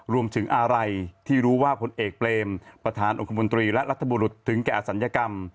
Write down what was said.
รวมถึงอะไรที่รู้ว่าผลเอกเปรมประธานองคมนตรีและรัฐบุรุษถึงแก่ศัลยกรรม